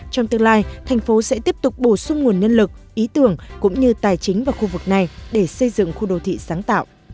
trong tương lai thành phố sẽ tiếp tục bổ sung nguồn nhân lực ý tưởng cũng như tài chính vào khu vực này để xây dựng khu đô thị sáng tạo